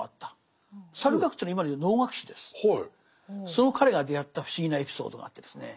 その彼が出会った不思議なエピソードがあってですね